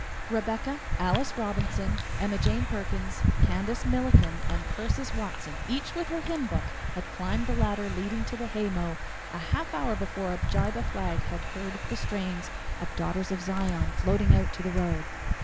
Rebecca, Alice Robinson, Emma Jane Perkins, Candace Milliken, and Persis Watson, each with her hymn book, had climbed the ladder leading to the haymow a half hour before Abijah Flagg had heard the strains of "Daughters of Zion" floating out to the road.